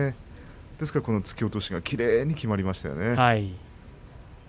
ですから突き落としがきれいにきまりましたね。